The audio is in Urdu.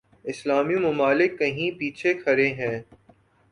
اسلامی ممالک کہیں پیچھے کھڑے ہیں۔